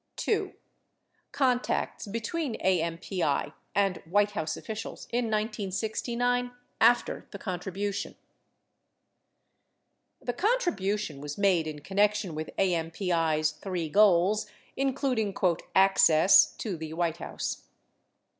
89 2. CONTACTS BET WREN AMPI AND WHITE HOUSE OFFICIALS IN 1969 AFTER THE CONTRIBUTION The contribution was made in connection with AMPI's three goals, including "access" to the White House.